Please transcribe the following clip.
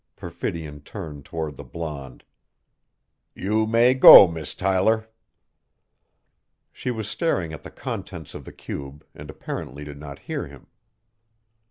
Perfidion turned toward the blonde. "You may go, Miss Tyler." She was staring at the contents of the cube and apparently did not hear him.